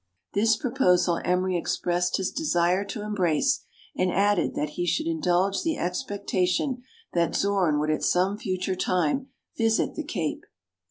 This proposal Emery expressed his desire to embrace, and added that he should indulge the expectation that Zorn would at some future time visit the Cape.